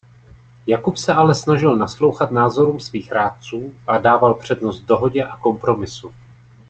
Jakub se ale snažil naslouchat názorům svých rádců a dával přednost dohodě a kompromisu.